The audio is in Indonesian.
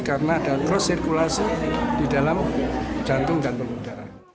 karena ada krosirkulasi di dalam jantung dan pemudara